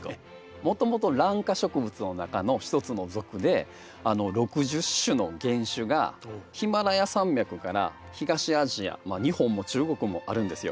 もともとラン科植物の中のひとつの属で６０種の原種がヒマラヤ山脈から東アジア日本も中国もあるんですよ。